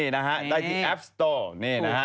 ได้ที่แอปโสตอล